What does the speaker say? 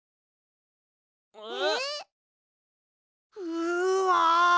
うわ！